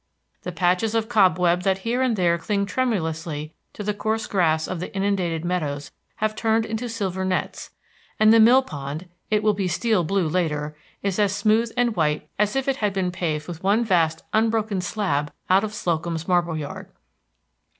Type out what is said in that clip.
The patches of cobweb that here and there cling tremulously to the coarse grass of the inundated meadows have turned into silver nets, and the mill pond it will be steel blue later is as smooth and white as if it had been paved with one vast unbroken slab out of Slocum's Marble Yard.